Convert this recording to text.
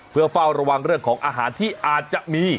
เพื่อเฝ้าระวังเรื่องของอาหารที่อาจจะมี